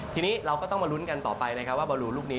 ทีนี้เราก็ต้องมาลุ้นกันต่อไปนะครับว่าบอลลูลูกนี้